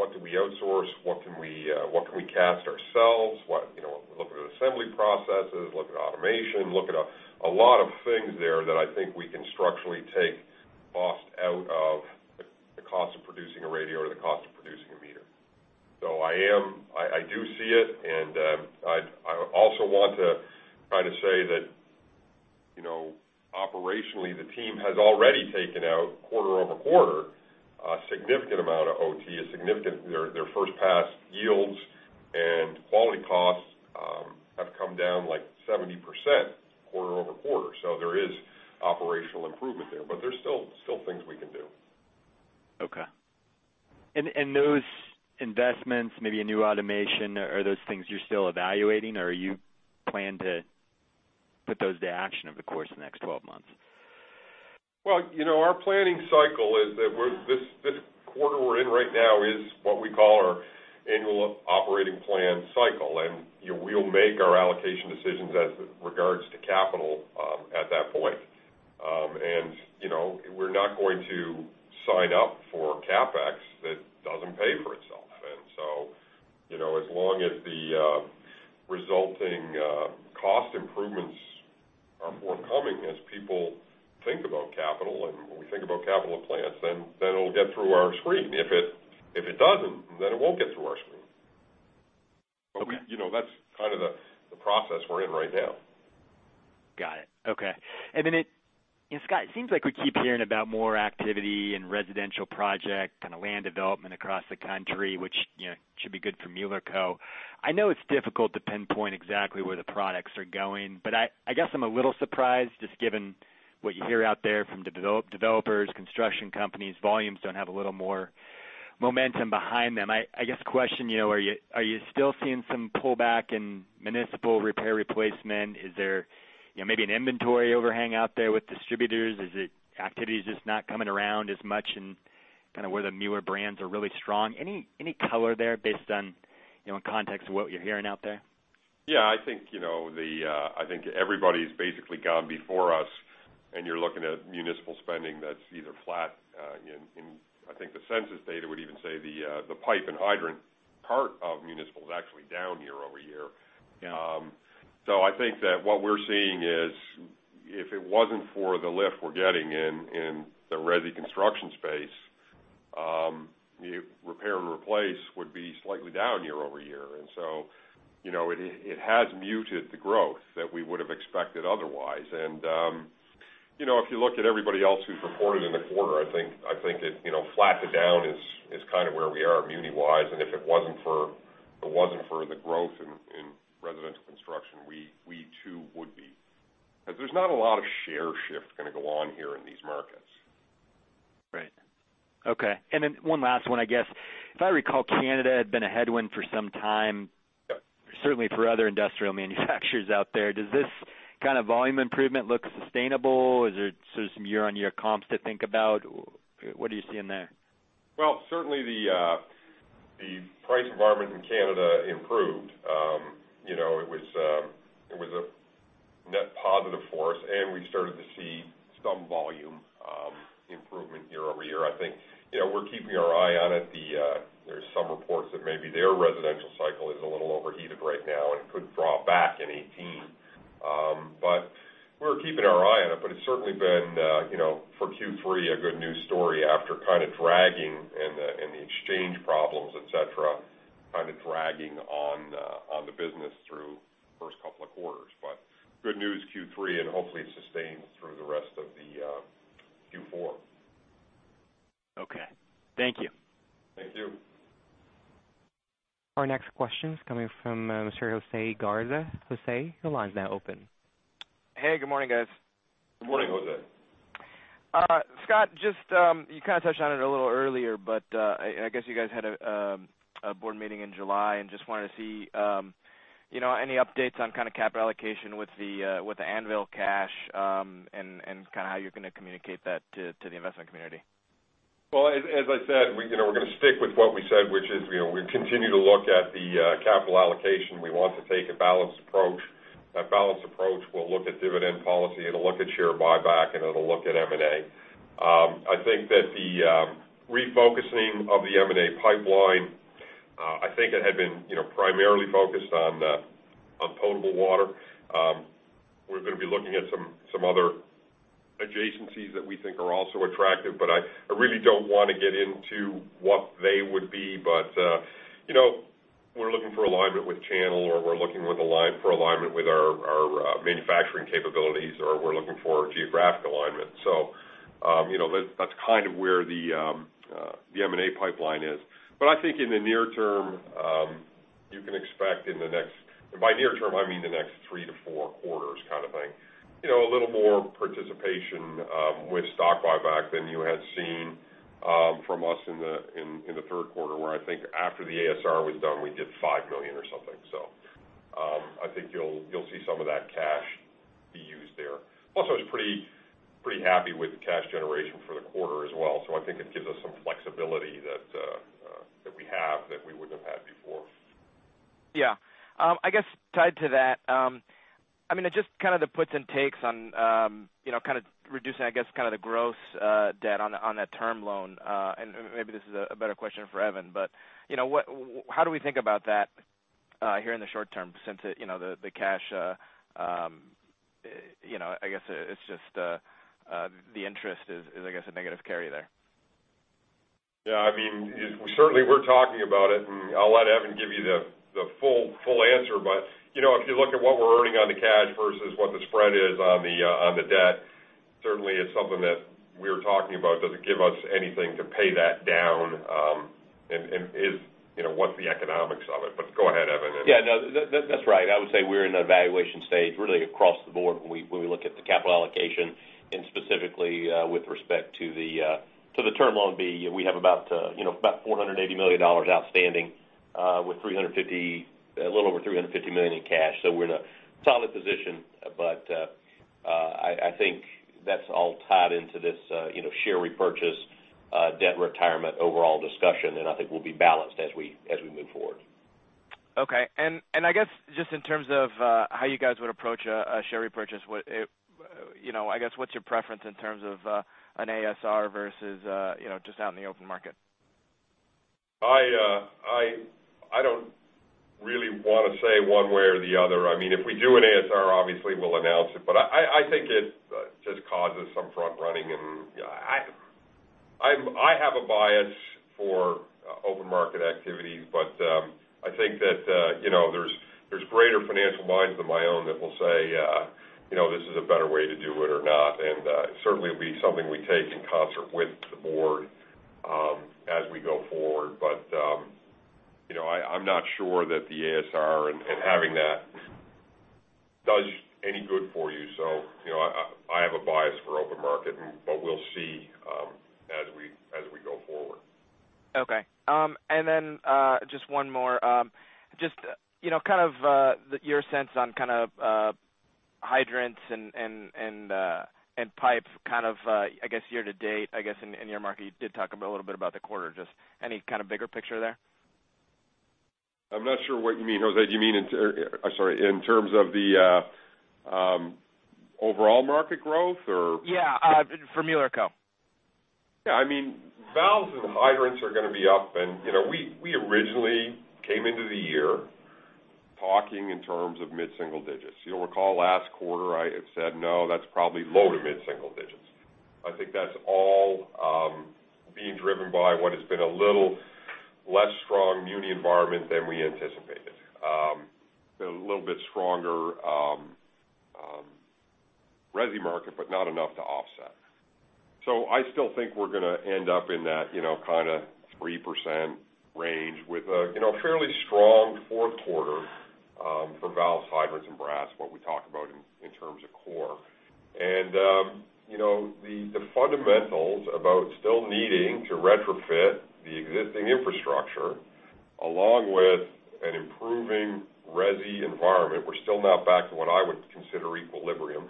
What do we outsource? What can we cast ourselves? Look at assembly processes, look at automation, look at a lot of things there that I think we can structurally take cost out of the cost of producing a radio or the cost of producing a meter. I do see it, and I also want to say that operationally, the team has already taken out quarter-over-quarter a significant amount of OT. Their first pass yields and quality costs have come down like 70% quarter-over-quarter. There is operational improvement there, but there's still things we can do. Okay. Those investments, maybe a new automation, are those things you're still evaluating, or you plan to put those to action over the course of the next 12 months? Well, our planning cycle is that this quarter we're in right now is what we call our annual operating plan cycle. We'll make our allocation decisions as regards to capital at that point. We're not going to sign up for CapEx that doesn't pay for itself. As long as the resulting cost improvements are forthcoming as people think about capital and we think about capital plans, it'll get through our screen. If it doesn't, it won't get through our screen. Okay. That's kind of the process we're in right now. Got it. Okay. It, Scott, seems like we keep hearing about more activity in residential project and land development across the country, which should be good for Mueller Co. I know it's difficult to pinpoint exactly where the products are going, but I guess I'm a little surprised, just given what you hear out there from developers, construction companies, volumes don't have a little more momentum behind them. I guess the question, are you still seeing some pullback in municipal repair replacement? Is there maybe an inventory overhang out there with distributors? Is it activity is just not coming around as much and where the Mueller brands are really strong? Any color there based on context of what you're hearing out there? Yeah, I think everybody's basically gone before us, you're looking at municipal spending that's either flat in-- I think the census data would even say the pipe and hydrant part of municipal is actually down year-over-year. Yeah. I think that what we're seeing is, if it wasn't for the lift we're getting in the resi construction space, repair and replace would be slightly down year-over-year. It has muted the growth that we would have expected otherwise. If you look at everybody else who's reported in the quarter, I think that flat to down is kind of where we are muni-wise, and if it wasn't for the growth in residential construction, we too would be. There's not a lot of share shift going to go on here in these markets. Right. Okay. One last one, I guess. If I recall, Canada had been a headwind for some time, certainly for other industrial manufacturers out there. Does this kind of volume improvement look sustainable? Is there some year-on-year comps to think about? What are you seeing there? Certainly the price environment in Canada improved. It was a net positive for us, and we started to see some volume improvement year-over-year. I think we're keeping our eye on it. There's some reports that maybe their residential cycle is a little overheated right now, and it could draw back in 2018. We're keeping our eye on it's certainly been, for Q3, a good news story after kind of dragging and the exchange problems, et cetera, dragging on the business through the first couple of quarters. Good news Q3, hopefully it sustains through the rest of the Q4. Okay. Thank you. Thank you. Our next question is coming from Mr. Jose Garza. Jose, your line's now open. Hey, good morning, guys. Good morning, Jose. Scott, you kind of touched on it a little earlier. I guess you guys had a board meeting in July and just wanted to see any updates on capital allocation with the Anvil cash and how you're going to communicate that to the investment community. Well, as I said, we're going to stick with what we said, which is we continue to look at the capital allocation. We want to take a balanced approach. That balanced approach will look at dividend policy, it'll look at share buyback, and it'll look at M&A. I think that the refocusing of the M&A pipeline, I think it had been primarily focused on potable water. We're going to be looking at some other adjacencies that we think are also attractive, but I really don't want to get into what they would be. We're looking for alignment with channel, or we're looking for alignment with our manufacturing capabilities, or we're looking for geographic alignment. That's kind of where the M&A pipeline is. I think in the near term, you can expect in the next-- and by near term, I mean the next three to four quarters kind of thing, a little more participation with stock buyback than you had seen from us in the third quarter, where I think after the ASR was done, we did $5 million or something. I think you'll see some of that cash be used there. Plus, I was pretty happy with the cash generation for the quarter as well. I think it gives us some flexibility that we have that we wouldn't have had before. Yeah. I guess tied to that, just the puts and takes on reducing, I guess, the gross debt on that term loan. Maybe this is a better question for Evan. How do we think about that here in the short term, since the cash, I guess it's just the interest is, I guess, a negative carry there? Certainly we're talking about it, I'll let Evan give you the full answer. If you look at what we're earning on the cash versus what the spread is on the debt, certainly it's something that we're talking about. Does it give us anything to pay that down, and what's the economics of it? Go ahead, Evan. Yeah, no, that's right. I would say we're in an evaluation stage really across the board when we look at the capital allocation and specifically with respect to the Term Loan B. We have about $480 million outstanding with a little over $350 million in cash. We're in a solid position, but I think that's all tied into this share repurchase debt retirement overall discussion, and I think we'll be balanced as we move forward. Okay. I guess just in terms of how you guys would approach a share repurchase, I guess what's your preference in terms of an ASR versus just out in the open market? I don't really want to say one way or the other. If we do an ASR, obviously we'll announce it, but I think it just causes some front running and I have a bias for open market activities, but I think that there's greater financial minds than my own that will say this is a better way to do it or not. Certainly it will be something we take in concert with the board as we go forward. I'm not sure that the ASR and having that does any good for you. I have a bias for open market, but we'll see as we go forward. Okay. Just one more. Just your sense on kind of hydrants and pipes kind of, I guess year to date, I guess in your market, you did talk a little bit about the quarter. Just any kind of bigger picture there? I'm not sure what you mean, Jose. Do you mean in, I'm sorry, in terms of the overall market growth or? Yeah. For Mueller Co. Yeah. Valves and hydrants are going to be up and we originally came into the year talking in terms of mid-single digits. You'll recall last quarter, I had said, no, that's probably low to mid-single digits. I think that's all being driven by what has been a little less strong muni environment than we anticipated. Been a little bit stronger resi market, but not enough to offset. I still think we're going to end up in that 3% range with a fairly strong fourth quarter for valves, hydrants and brass, what we talk about in terms of core. The fundamentals about still needing to retrofit the existing infrastructure along with an improving resi environment. We're still not back to what I would consider equilibrium.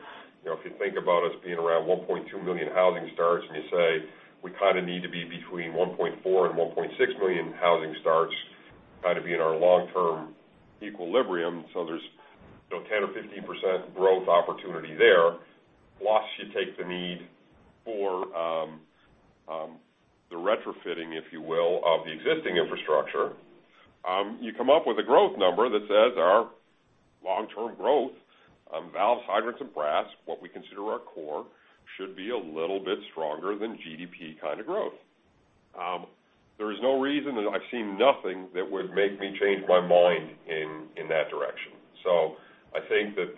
If you think about us being around 1.2 million housing starts, and you say we kind of need to be between 1.4 and 1.6 million housing starts, kind of be in our long-term equilibrium. There's 10% or 15% growth opportunity there. Plus, you take the need for the retrofitting, if you will, of the existing infrastructure. You come up with a growth number that says our long-term growth on valves, hydrants, and brass, what we consider our core, should be a little bit stronger than GDP kind of growth. There is no reason, and I've seen nothing that would make me change my mind in that direction. I think that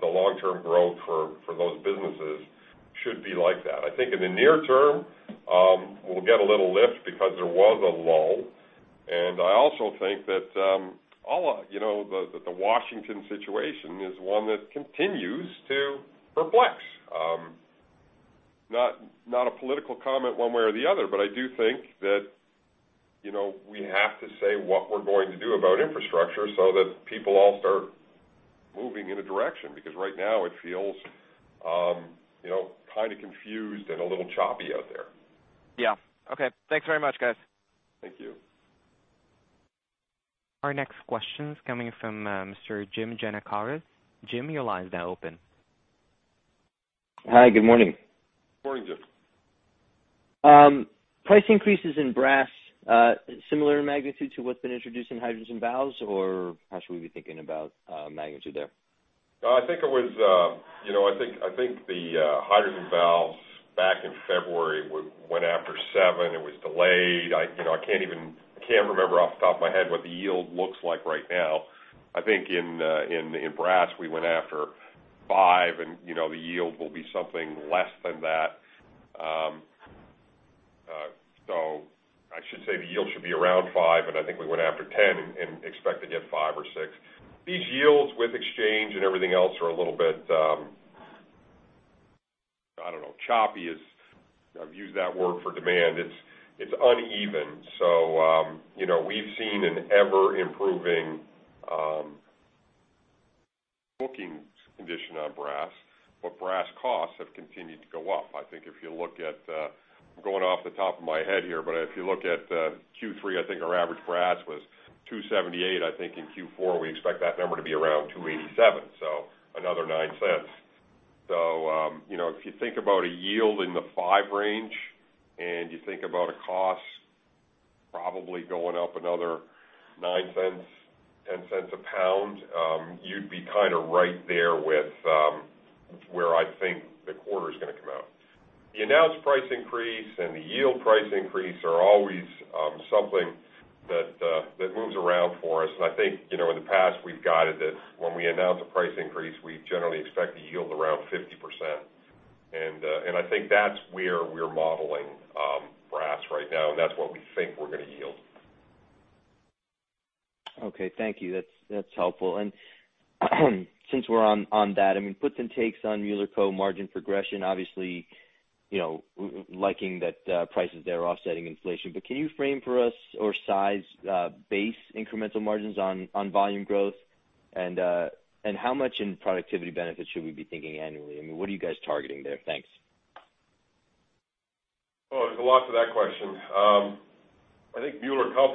the long-term growth for those businesses should be like that. I think in the near term, we'll get a little lift because there was a lull. I also think that the Washington situation is one that continues to perplex. Not a political comment one way or the other, but I do think that we have to say what we're going to do about infrastructure so that people all start moving in a direction. Right now it feels kind of confused and a little choppy out there. Yeah. Okay. Thanks very much, guys. Thank you. Our next question's coming from Mr. Jim Giannakaris. Jim, your line is now open. Hi, good morning. Morning, Jim. Price increases in brass similar in magnitude to what's been introduced in hydrants and valves, or how should we be thinking about magnitude there? I think the hydrants and valves back in February went after 7. It was delayed. I can't remember off the top of my head what the yield looks like right now. I think in brass, we went after 5, and the yield will be something less than that. I should say the yield should be around 5, and I think we went after 10 and expect to get 5 or 6. These yields with exchange and everything else are a little bit, I don't know, choppy. I've used that word for demand. It's uneven. We've seen an ever-improving bookings condition on brass, but brass costs have continued to go up. I'm going off the top of my head here, but if you look at Q3, I think our average brass was $2.78. I think in Q4, we expect that number to be around $2.87. Another $0.09. If you think about a yield in the 5 range and you think about a cost probably going up another $0.09, $0.10 a pound, you'd be kind of right there with where I think the quarter's going to come out. The announced price increase and the yield price increase are always something that moves around for us. I think, in the past, we've guided that when we announce a price increase, we generally expect to yield around 50%. I think that's where we're modeling brass right now, and that's what we think we're going to yield. Okay. Thank you. That's helpful. Since we're on that, puts and takes on Mueller Co margin progression, obviously, liking that prices there offsetting inflation. Can you frame for us or size base incremental margins on volume growth? How much in productivity benefits should we be thinking annually? What are you guys targeting there? Thanks. Oh, there's a lot to that question. I think Mueller Co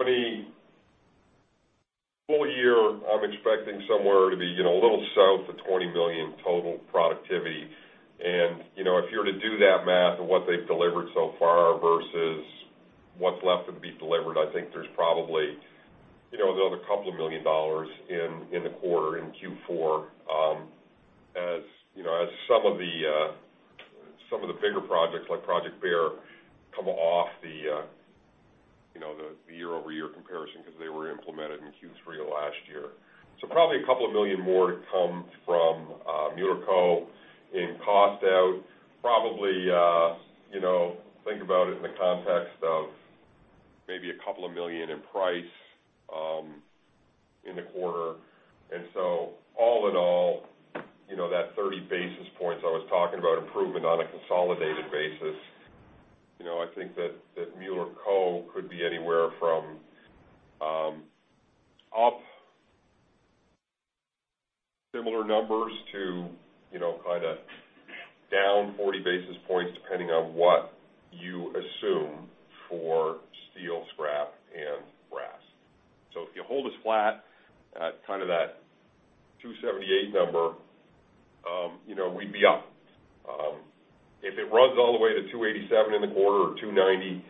full year, I'm expecting somewhere to be a little south of $20 million total productivity. If you were to do that math of what they've delivered so far versus what's left to be delivered, I think there's probably another couple of million dollars in the quarter in Q4. As some of the bigger projects like Project Bear come off the year-over-year comparison because they were implemented in Q3 of last year. Probably a couple of million more to come from Mueller Co in cost out. Probably, think about it in the context of maybe a couple of million in price in the quarter. All in all, that 30 basis points I was talking about improvement on a consolidated basis I think that Mueller Co could be anywhere from up similar numbers to down 40 basis points, depending on what you assume for steel, scrap, and brass. If you hold us flat at that 278 number, we'd be up. If it runs all the way to 287 in the quarter or 290,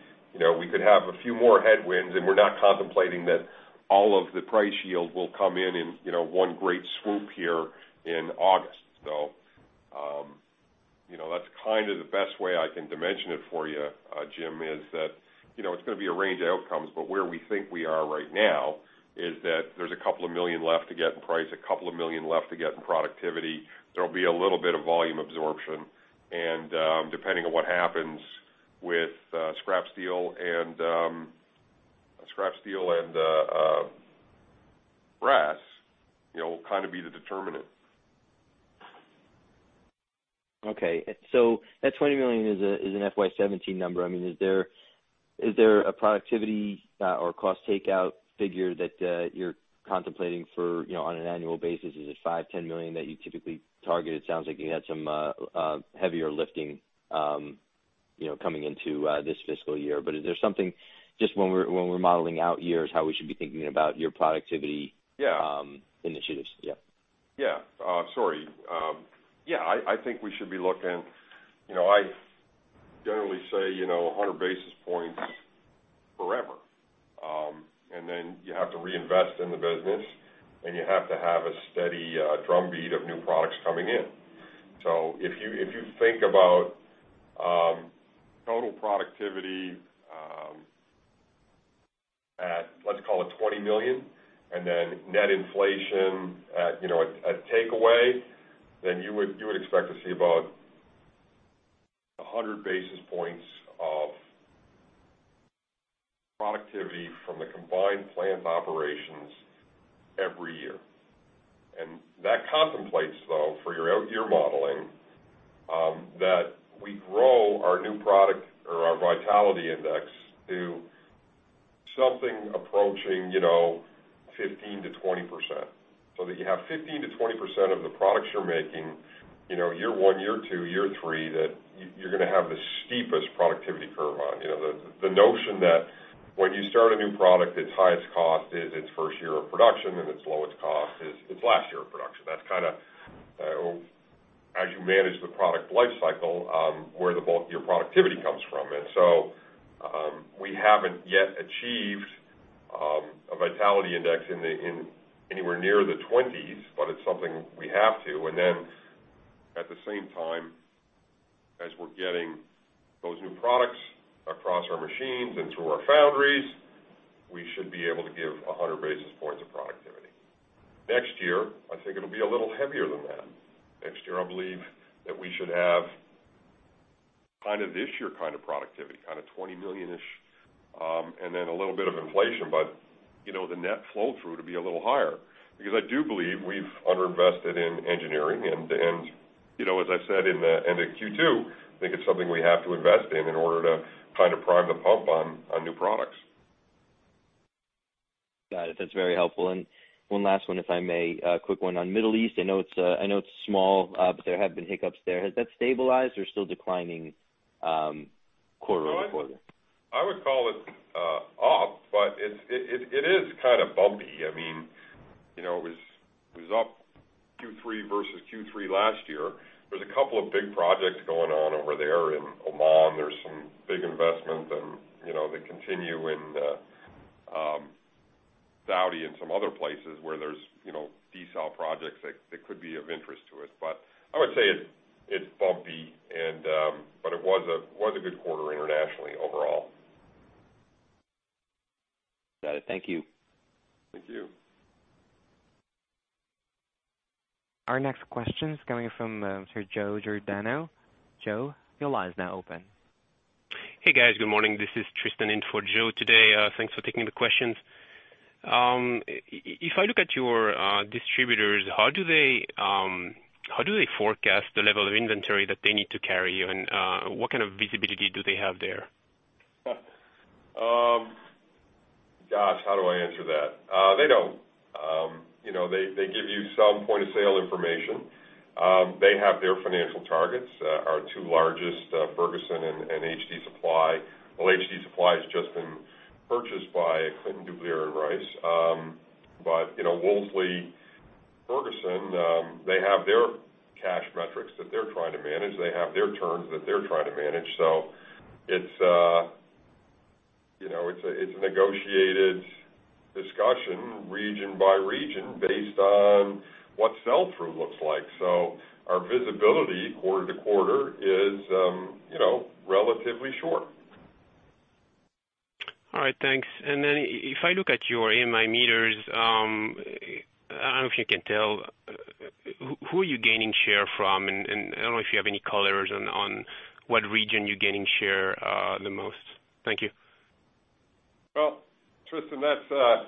we could have a few more headwinds, and we're not contemplating that all of the price yield will come in in one great swoop here in August. That's the best way I can dimension it for you, Jim, is that it's going to be a range of outcomes. Where we think we are right now is that there's $couple of million left to get in price, $couple of million left to get in productivity. There'll be a little bit of volume absorption, and depending on what happens with scrap steel and brass, will be the determinant. Okay. That $20 million is an FY 2017 number. Is there a productivity or cost takeout figure that you're contemplating on an annual basis? Is it 5, $10 million that you typically targeted? Sounds like you had some heavier lifting coming into this fiscal year. Is there something, just when we're modeling out years, how we should be thinking about your productivity- Yeah initiatives? Yeah. Yeah. Sorry. Yeah, I think we should be looking. I generally say 100 basis points forever. You have to reinvest in the business, and you have to have a steady drumbeat of new products coming in. If you think about total productivity at, let's call it $20 million, net inflation at a takeaway, you would expect to see about 100 basis points of productivity from the combined plant operations every year. That contemplates, though, for your out year modeling, that we grow our new product or our Vitality Index to something approaching 15%-20%. That you have 15%-20% of the products you're making, year one, year two, year three, that you're going to have the steepest productivity curve on. The notion that when you start a new product, its highest cost is its first year of production, and its lowest cost is its last year of production. That's kind of as you manage the product life cycle, where the bulk of your productivity comes from. We haven't yet achieved a Vitality Index anywhere near the 20s, but it's something we have to. At the same time, as we're getting those new products across our machines and through our foundries, we should be able to give 100 basis points of productivity. Next year, I think it'll be a little heavier than that. Next year, I believe that we should have this year kind of productivity, kind of $20 million-ish, a little bit of inflation. The net flow-through to be a little higher, because I do believe we've under-invested in engineering. As I said in the Q2, I think it's something we have to invest in in order to prime the pump on new products. Got it. That's very helpful. One last one, if I may. A quick one on Middle East. I know it's small, but there have been hiccups there. Has that stabilized or still declining quarter-over-quarter? I would call it up, but it is kind of bumpy. It was up Q3 versus Q3 last year. There's a couple of big projects going on over there in Oman. There's some big investments, and they continue in Saudi and some other places where there's desalination projects that could be of interest to us. I would say it's bumpy, but it was a good quarter internationally overall. Got it. Thank you. Thank you. Our next question is coming from Sir Joe Giordano. Joe, your line is now open. Hey, guys. Good morning. This is Tristan in for Joe today. Thanks for taking the questions. If I look at your distributors, how do they forecast the level of inventory that they need to carry, and what kind of visibility do they have there? Gosh, how do I answer that? They don't. They give you some point-of-sale information. They have their financial targets. Our two largest, Ferguson and HD Supply. Well, HD Supply has just been purchased by Clayton, Dubilier & Rice. Wolseley, Ferguson, they have their cash metrics that they're trying to manage. They have their terms that they're trying to manage. It's a negotiated discussion region by region based on what sell-through looks like. Our visibility quarter to quarter is relatively short. All right. Thanks. If I look at your AMI meters, I don't know if you can tell, who are you gaining share from? I don't know if you have any colors on what region you're gaining share the most. Thank you. Well, Tristan, I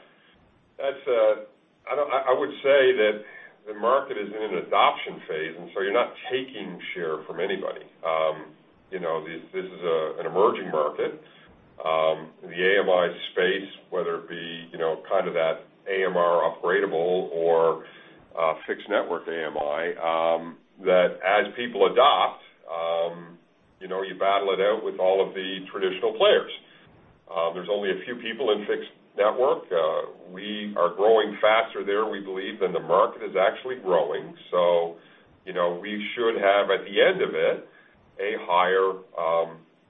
would say that the market is in an adoption phase, you're not taking share from anybody. This is an emerging market. The AMI space, whether it be kind of that AMR operable or fixed network AMI, that as people adopt, you battle it out with all of the traditional players. There's only a few people in fixed network. We are growing faster there, we believe, than the market is actually growing. We should have, at the end of it, a higher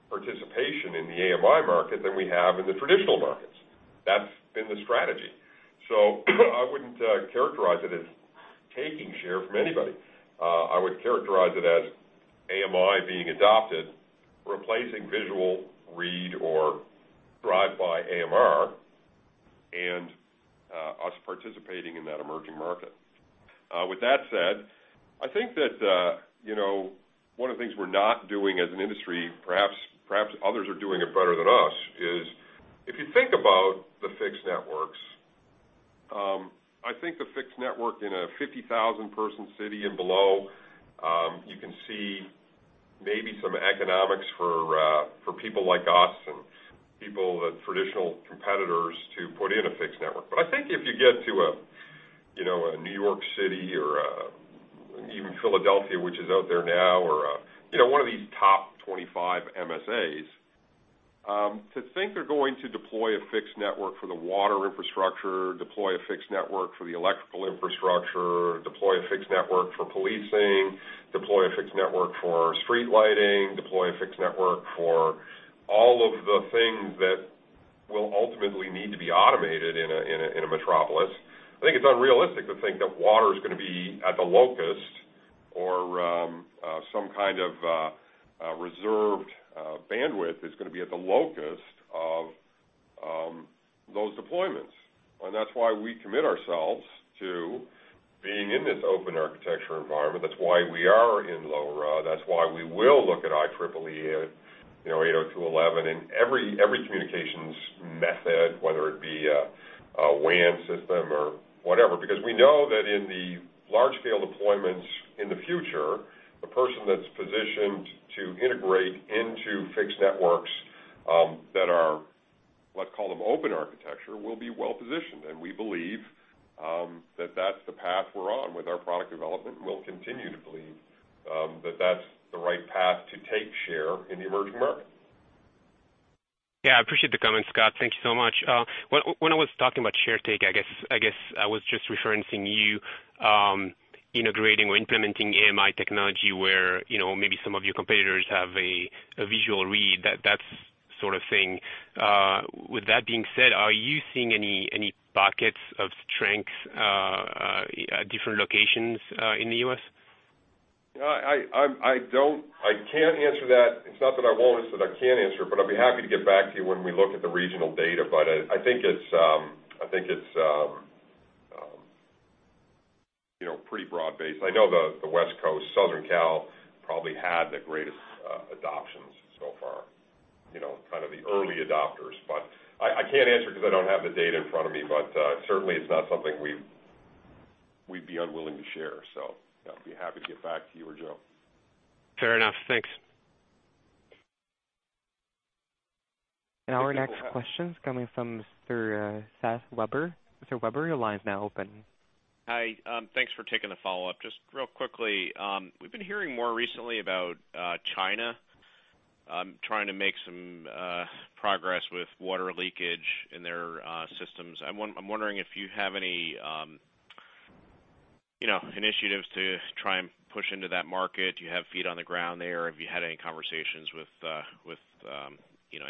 participation in the AMI market than we have in the traditional markets. That's been the strategy. I wouldn't characterize it as taking share from anybody. I would characterize it as AMI being adopted, replacing visual read or drive-by AMR, and us participating in that emerging market. With that said, I think that one of the things we're not doing as an industry, perhaps others are doing it better than us, is if you think about the fixed networks, I think the fixed network in a 50,000-person city and below, you can see maybe some economics for people like us and people, the traditional competitors, to put in a fixed network. I think if you get to a New York City or even Philadelphia, which is out there now, or one of these top 25 MSAs, to think they're going to deploy a fixed network for the water infrastructure, deploy a fixed network for the electrical infrastructure, deploy a fixed network for policing, deploy a fixed network for street lighting, deploy a fixed network for all of the things that will ultimately need to be automated in a metropolis, I think it's unrealistic to think that water is going to be at the locus or some kind of reserved bandwidth is going to be at the locus of those deployments. That's why we commit ourselves to being in this open architecture environment. That's why we are in LoRa. That's why we will look at IEEE 802.11 and every communications method, whether it be a WAN system or whatever. We know that in the large-scale deployments in the future, the person that's positioned to integrate into fixed networks that are, let's call them open architecture, will be well-positioned. We believe that that's the path we're on with our product development, and we'll continue to believe that that's the right path to take share in the emerging markets. Yeah, I appreciate the comments, Scott. Thank you so much. When I was talking about share take, I guess I was just referencing you integrating or implementing AMI technology where maybe some of your competitors have a visual read, that sort of thing. With that being said, are you seeing any pockets of strength at different locations in the U.S.? I can't answer that. It's not that I won't, it's that I can't answer it, I'd be happy to get back to you when we look at the regional data. I think it's pretty broad-based. I know the West Coast, Southern Cal, probably had the greatest adoptions so far, kind of the early adopters. I can't answer because I don't have the data in front of me, certainly it's not something we'd be unwilling to share. I'll be happy to get back to you or Joe. Fair enough. Thanks. Our next question is coming from Mr. Seth Weber. Mr. Weber, your line is now open. Hi, thanks for taking the follow-up. Just real quickly, we've been hearing more recently about China trying to make some progress with water leakage in their systems. I'm wondering if you have any initiatives to try and push into that market. Do you have feet on the ground there? Have you had any conversations with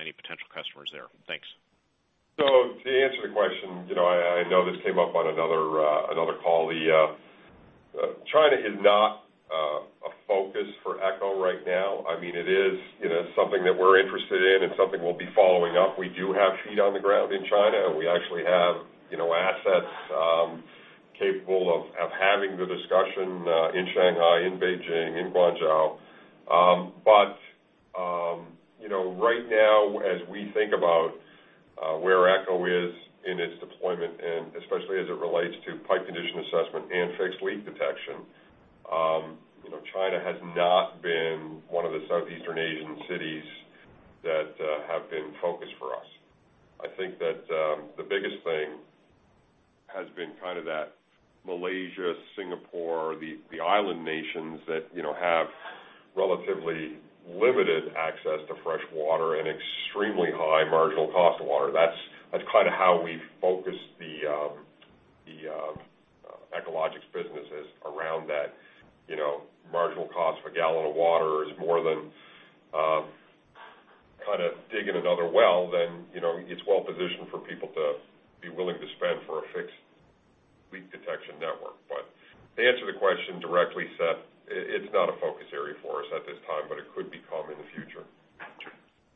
any potential customers there? Thanks. To answer the question, I know this came up on another call. China is not a focus for Echo right now. It is something that we're interested in and something we'll be following up. We do have feet on the ground in China. We actually have assets capable of having the discussion in Shanghai, in Beijing, in Guangzhou. Right now, as we think about where Echo is in its deployment, and especially as it relates to pipe condition assessment and fixed leak detection, China has not been one of the Southeastern Asian cities that have been focused for us. I think that the biggest thing has been kind of that Malaysia, Singapore, the island nations that have relatively limited access to fresh water and extremely high marginal cost of water. That's kind of how we focus the Echologics businesses around that. Marginal cost of a gallon of water is more than kind of digging another well, then it's well-positioned for people to be willing to spend for a fixed leak detection network. To answer the question directly, Seth, it's not a focus area for us at this time, but it could become in the future.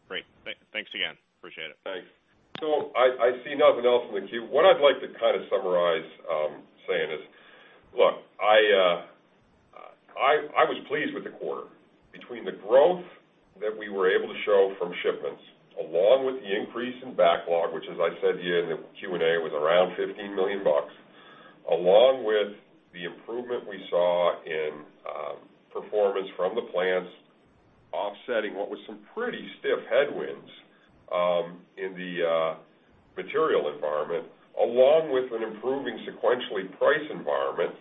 Great. Thanks again. Appreciate it. Thanks. I see nothing else in the queue. What I'd like to kind of summarize saying is, look, I was pleased with the quarter. Between the growth that we were able to show from shipments, along with the increase in backlog, which as I said to you in the Q&A, was around $15 million, along with the improvement we saw in performance from the plants offsetting what was some pretty stiff headwinds in the material environment, along with an improving sequentially price environment,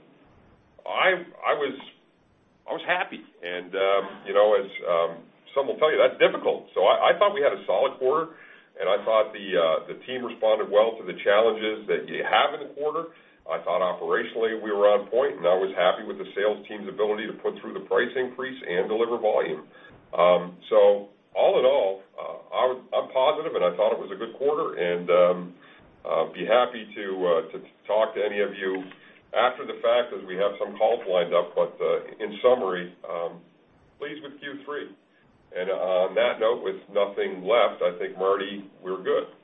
I was happy. Some will tell you that's difficult. I thought we had a solid quarter, and I thought the team responded well to the challenges that you have in the quarter. I thought operationally we were on point, and I was happy with the sales team's ability to put through the price increase and deliver volume. All in all, I'm positive, and I thought it was a good quarter, and I'll be happy to talk to any of you after the fact as we have some calls lined up. In summary, pleased with Q3. On that note, with nothing left, I think, Marty, we're good.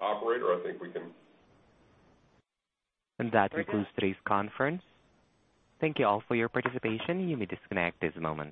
Operator, I think we can- That concludes today's conference. Thank you all for your participation. You may disconnect at this moment.